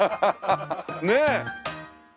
ねえ！